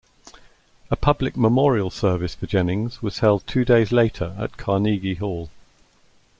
A public memorial service for Jennings was held two days later at Carnegie Hall.